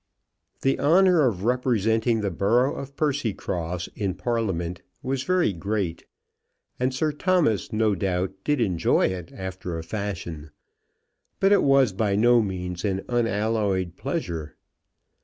The honour of representing the borough of Percycross in Parliament was very great, and Sir Thomas, no doubt, did enjoy it after a fashion; but it was by no means an unalloyed pleasure.